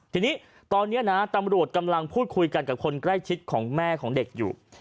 ทีนี้ตอนนี้นะตำรวจกำลังพูดคุยกันกับคนใกล้ชิดของแม่ของเด็กอยู่